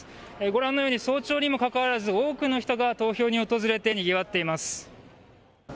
ご覧のように早朝にもかかわらず多くの人が投票に訪れてにぎわっています。